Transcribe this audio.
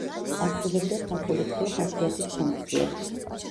ასრულებდა საპოლიციო ხასიათის ფუნქციებს.